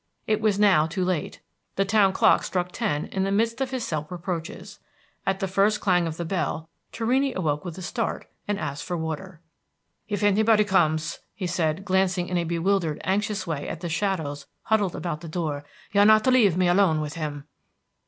It was now too l ate. The town clock struck ten in the midst of his self reproaches. At the first clang of the bell, Torrini awoke with a start, and asked for water. "If anybody comes," he said, glancing in a bewildered, anxious way at the shadows huddled about the door, "you are not to leave me alone with him."